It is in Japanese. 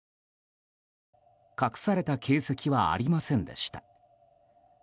隠された形跡はありませんでした。